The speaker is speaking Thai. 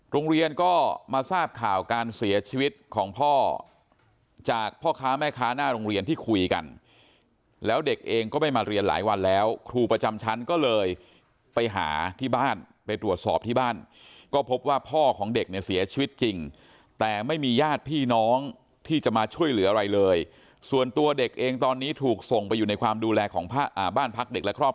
โรงเรียนก็มาทราบข่าวการเสียชีวิตของพ่อจากพ่อค้าแม่ค้าหน้าโรงเรียนที่คุยกันแล้วเด็กเองก็ไม่มาเรียนหลายวันแล้วครูประจำชั้นก็เลยไปหาที่บ้านไปตรวจสอบที่บ้านก็พบว่าพ่อของเด็กเนี่ยเสียชีวิตจริงแต่ไม่มีญาติพี่น้องที่จะมาช่วยเหลืออะไรเลยส่วนตัวเด็กเองตอนนี้ถูกส่งไปอยู่ในความดูแลของบ้านพักเด็กและครอบครัว